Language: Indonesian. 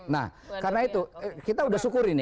nah karena itu kita sudah syukur ini